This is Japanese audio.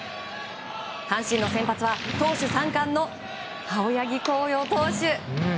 阪神の先発は投手３冠の青柳晃洋投手。